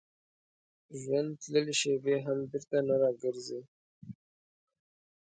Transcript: ژوند تللې شېبې هم بېرته نه راګرځي.